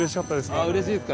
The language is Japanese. ああうれしいですか。